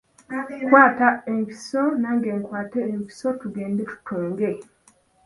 Kwata empiso nange nkwate empiso tugende tutunge.